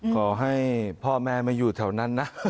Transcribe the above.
ขอให้พ่อแม่ไม่อยู่แถวนั้นนะ